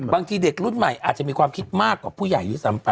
บางทีเด็กรุ่นใหม่อาจจะมีความคิดมากกว่าผู้ใหญ่ด้วยซ้ำไป